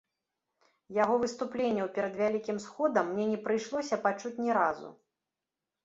Яго выступленняў перад вялікім сходам мне не прыйшлося пачуць ні разу.